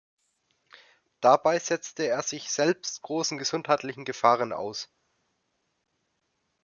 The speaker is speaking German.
Dabei setzte er sich selbst großen gesundheitlichen Gefahren aus.